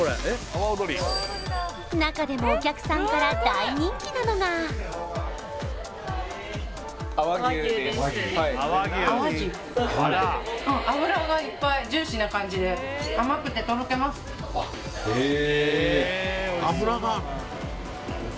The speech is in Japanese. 中でもお客さんから大人気なのがあっへえへえ